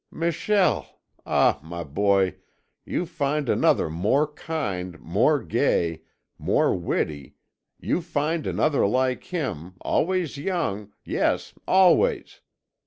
Michel! Ah! my boy, you find another more kind, more gay, more witty, you find another like him, always young, yes, always.